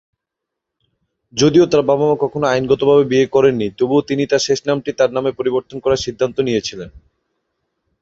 যদিও তার বাবা-মা কখনো আইনগতভাবে বিয়ে করেননি, তবুও তিনি তার শেষ নামটি তার নামে পরিবর্তন করার সিদ্ধান্ত নিয়েছিলেন।